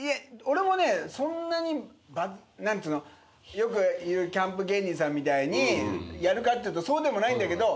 よく言うキャンプ芸人さんみたいにやるかっていうとそうでもないんだけど。